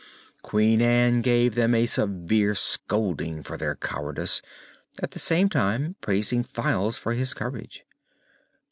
Queen Ann gave them a severe scolding for their cowardice, at the same time praising Files for his courage.